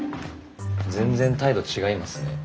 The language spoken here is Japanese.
全然態度違いますね。